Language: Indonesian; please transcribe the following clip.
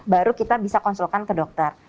baru kita bisa konsulkan ke dokter